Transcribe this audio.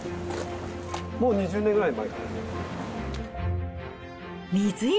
もう２０年ぐらい前から。